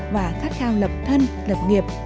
và khát khao lập thân lập nghiệp